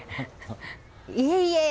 いえいえ。